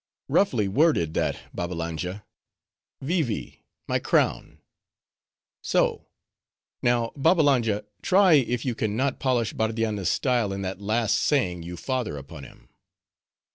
"Roughly worded, that, Babbalanja.—Vee Vee! my crown!—So; now, Babbalanja, try if you can not polish Bardianna's style in that last saying you father upon him."